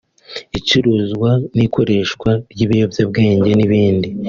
icuruzwa n’ikoreshwa ry’ibiyobyabwenge n’ibindi